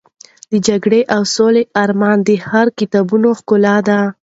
د جګړې او سولې رومان د هر کتابتون ښکلا ده.